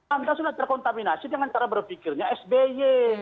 anda sudah terkontaminasi dengan cara berpikirnya sby